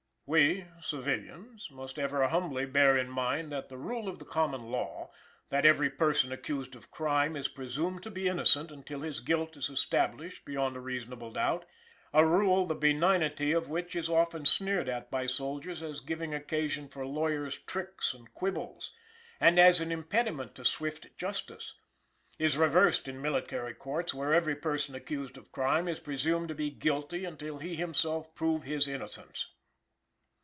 We, civilians, must ever humbly bear in mind that the rule of the common law, that every person accused of crime is presumed to be innocent until his guilt is established beyond a reasonable doubt a rule the benignity of which is often sneered at by soldiers as giving occasion for lawyers' tricks and quibbles, and as an impediment to swift justice, is reversed in military courts, where every person accused of crime is presumed to be guilty until he himself prove his innocence.